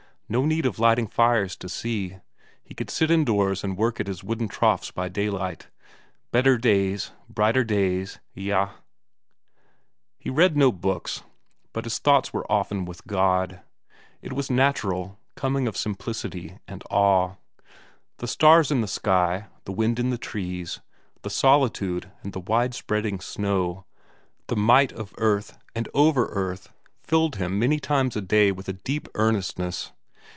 No need of lighting fires to see; he could sit indoors and work at his wooden troughs by daylight. Better days, brighter days ... eyah! He read no books, but his thoughts were often with God; it was natural, coming of simplicity and awe. The stars in the sky, the wind in the trees, the solitude and the wide spreading snow, the might of earth and over earth filled him many times a day with a deep earnestness.